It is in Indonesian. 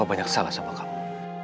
wagenya sudah selesai